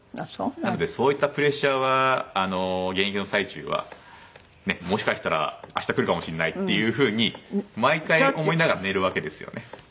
なのでそういったプレッシャーは現役の最中はもしかしたら明日来るかもしれないっていう風に毎回思いながら寝るわけですよね。